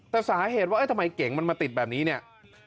แต่สาเหตุว่าทำไมเก๋งมันมาติดแบบนี้เนี่ย